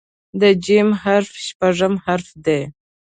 د "ج" حرف شپږم حرف دی.